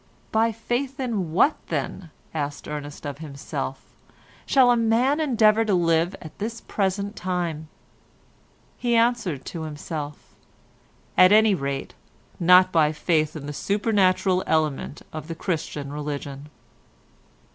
"By faith in what, then," asked Ernest of himself, "shall a just man endeavour to live at this present time?" He answered to himself, "At any rate not by faith in the supernatural element of the Christian religion."